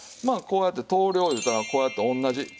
まあこうやって等量いうたらこうやって同じ。